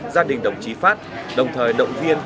gia đình đồng chí phát đồng thời động viên